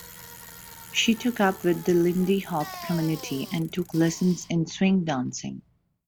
She took up with the lindy hop community, and took lessons in swing dancing.